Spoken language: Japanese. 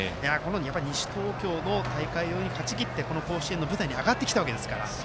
西東京の大会を勝ち気って、甲子園の舞台に上がってきたわけですから。